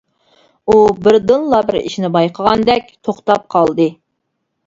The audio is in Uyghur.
ئۇ بىردىنلا بىر ئىشنى بايقىغاندەك توختاپ قالدى.